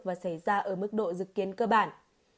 và xảy ra ở mức độ dự kiến cơ bản